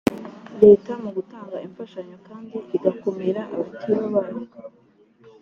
leta mu gutanga imfashanyo kandi igakumira abakeba bayo